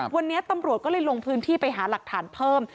วันนี้ตำรวจก็เลยลงพื้นที่ไปหาหลักฐานเพิ่ม